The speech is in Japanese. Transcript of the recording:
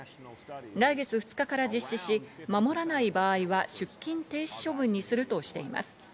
来月２日から実施し守らない場合は出勤停止処分にするとしています。